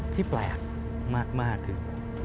ที่แปลกมากคือ